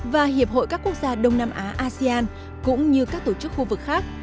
và hiệp hội các quốc gia đông nam á asean cũng như các tổ chức khu vực khác